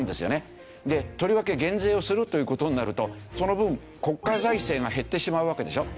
とりわけ減税をするという事になるとその分国家財政が減ってしまうわけでしょ。